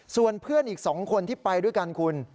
ส่วนเพื่อนอีก๒คนที่ไปด้วยกันคุณ